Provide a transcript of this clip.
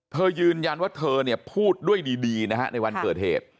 เธอยืนยันว่าเธอเนี่ยพูดด้วยดีนะฮะในวันเกิดเหตุ